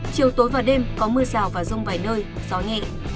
chiều tối và đêm có mưa rào và rông vài nơi gió nhẹ